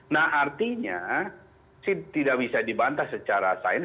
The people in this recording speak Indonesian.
nah artinya tidak bisa dibantah secara sains